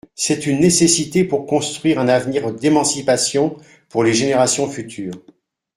C’est une nécessité pour construire un avenir d’émancipation pour les générations futures.